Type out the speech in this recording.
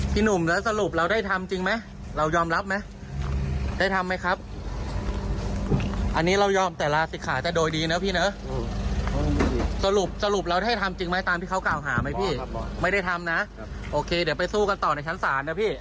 ต้องกล่าวหาไหมพี่ไม่ได้ทำนะโอเคเดี๋ยวไปสู้กันต่อในชั้นศาลนะพี่